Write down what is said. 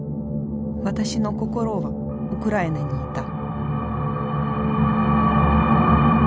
私の心はウクライナにいた。